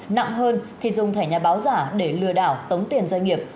nặng hơn thì dùng thẻ nhà báo giả để lừa đảo tống tiền doanh nghiệp